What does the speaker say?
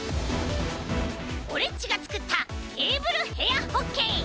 オレっちがつくったテーブルへやホッケー！